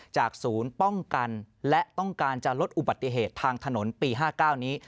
ศูนย์ป้องกันและต้องการจะลดอุบัติเหตุทางถนนปี๕๙นี้